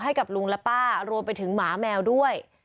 ให้กับลุงและป้ารวมไปถึงหมาแมวด้วย